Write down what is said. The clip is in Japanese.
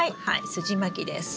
すじまきです。